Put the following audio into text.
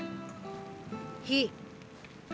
火。